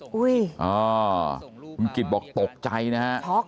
อาวเอาคุณกิตบอกตกใจนะครับ